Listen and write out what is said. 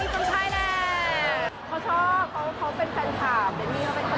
พี่ฉันหลอดก็บอกชิงหล่อ